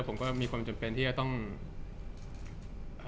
จากความไม่เข้าจันทร์ของผู้ใหญ่ของพ่อกับแม่